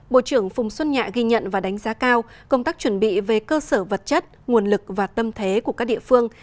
bộ trưởng phùng xuân nhạ ghi nhận và đánh giá cao công tác chuẩn bị về cơ sở vật chất nguồn lực và tâm thế của các địa phương